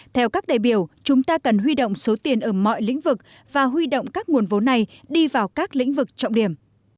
theo các đại biểu chúng ta cần huy động số tiền ở mọi lĩnh vực và huy động các nguồn vốn này đi vào các lĩnh vực trọng điểm